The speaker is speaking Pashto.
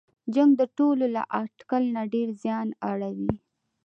جنګ د ټولو له اټکل نه ډېر زیان اړوي.